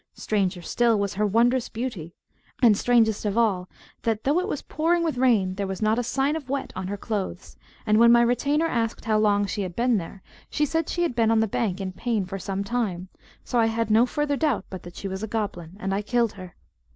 Stranger still was her wondrous beauty; and strangest of all that, though it was pouring with rain, there was not a sign of wet on her clothes; and when my retainer asked how long she had been there, she said she had been on the bank in pain for some time; so I had no further doubt but that she was a goblin, and I killed her."